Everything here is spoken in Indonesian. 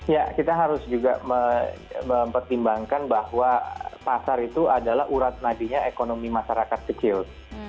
ya kita harus juga mempertimbangkan bahwa pasar itu adalah urat nadinya ekonomi masyarakat kecil